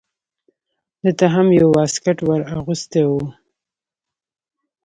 ده ته هم یو واسکټ ور اغوستی و.